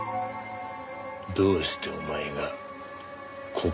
どうしてお前がここにいるんだ？